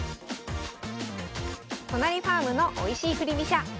都成ファームのおいしい振り飛車。